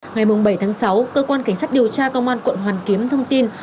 ngày bảy tháng sáu cơ quan cảnh sát điều tra công an quận hoàn kiếm thông tin